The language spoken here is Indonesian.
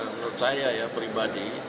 menurut saya ya pribadi